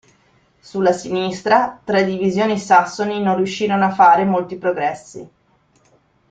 Sulla sinistra tre divisioni sassoni non riuscirono a fare molti progressi.